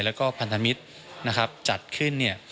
และพันธมิตรจัดขึ้น